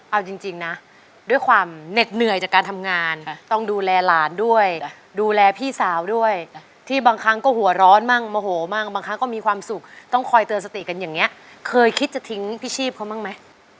เอาจริงนะด้วยความเหน็ดเหนื่อยจากการทำงานต้องดูแลหลานด้วยดูแลพี่สาวด้วยที่บางครั้งก็หัวร้อนมั่งโมโหมั่งบางครั้งก็มีความสุขต้องคอยเตือนสติกันอย่างนี้เคยคิดจะทิ้งพี่ชีพเขาบ้างไหม